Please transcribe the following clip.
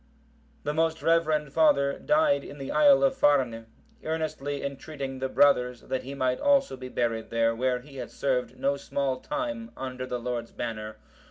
The most reverend father died in the isle of Farne, earnestly entreating the brothers that he might also be buried there, where he had served no small time under the Lord's banner.